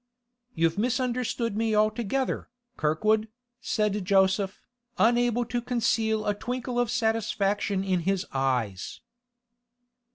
'You've misunderstood me altogether, Kirkwood,' said Joseph, unable to conceal a twinkle of satisfaction in his eyes.